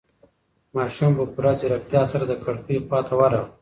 ماشوم په پوره ځيرکتیا سره د کړکۍ خواته ورغی.